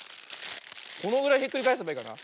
このぐらいひっくりかえせばいいかな。